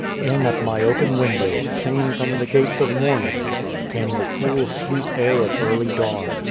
" In at my open window, singing from the gates of morning, came the cool sweet air of 59 God and the Ant early dawn.